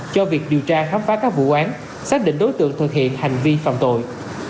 cho việc điều tra khám phá các vụ án xác định đối tượng thực hiện hành vi phạm tội